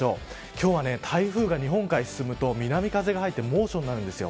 今日は、台風が日本海に進むと南風が入って猛暑になるんです。